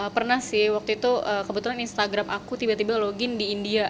pernah sih waktu itu kebetulan instagram aku tiba tiba login di india